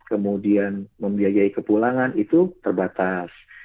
kemudian membiayai kepulangan itu terbatas